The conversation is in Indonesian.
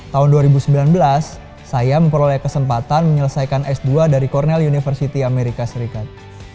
tahun dua ribu sembilan belas saya memperoleh kesempatan menyelesaikan s dua dari cornel university amerika serikat